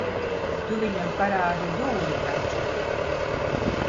Tu viņam parādi dūri taču.